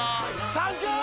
サンキュー！！